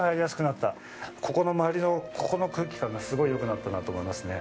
ここのまわりのここの空気感がすごいよくなったなと思いますね